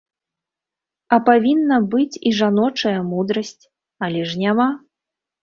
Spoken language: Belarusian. А павінна быць і жаночая мудрасць, але ж няма.